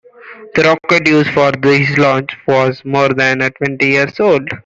The rocket used for this launch was more than twenty years old.